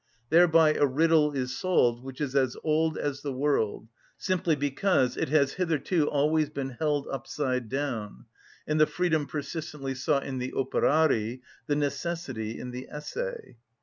Thereby a riddle is solved which is as old as the world, simply because it has hitherto always been held upside down and the freedom persistently sought in the Operari, the necessity in the Esse.